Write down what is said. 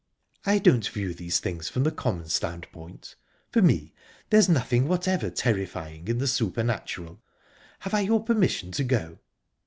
"I don't view these things from the common standpoint. For me, there's nothing whatever terrifying in the supernatural...Have I your permission to go?"